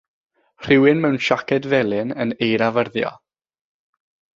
Rhywun mewn siaced felen yn eirafyrddio.